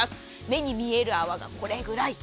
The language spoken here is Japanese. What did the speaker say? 目に見える泡がこれくらい。